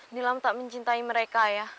nila tak mencintai mereka ayah